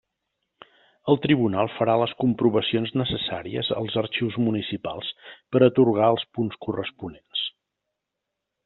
El tribunal farà les comprovacions necessàries als arxius municipals per atorgar els punts corresponents.